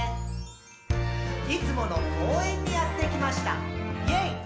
「いつもの公園にやってきました！イェイ！」